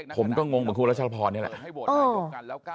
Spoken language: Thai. ผมก็งงเหมือนคุณรัชภพรเนี่ยแหละ